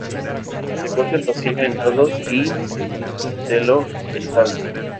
Se corta el tocino en dados y se lo escalda.